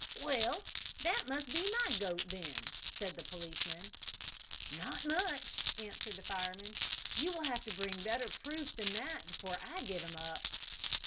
"Well that must be my goat, then," said the policeman. "Not much!" answered the fireman. "You will have to bring better proof than that before I give him up."